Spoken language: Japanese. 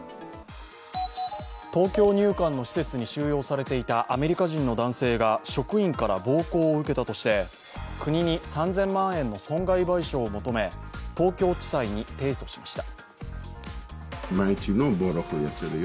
東京入管の施設に収容されていたアメリカ人の男性が職員から暴行を受けたとして国に３０００万円の損害賠償を求め東京地裁に提訴しました。